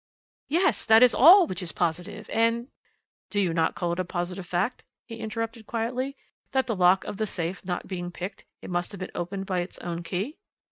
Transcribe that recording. "Yes, that is all which is positive and " "Do you not call it a positive fact," he interrupted quietly, "that the lock of the safe not being picked, it must have been opened by its own key?"